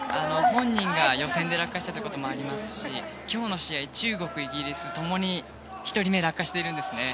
本人が予選で落下していたこともありますし今日の試合、中国、イギリス共に１人目が落下しているんですよね。